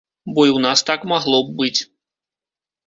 Бо і ў нас так магло б быць.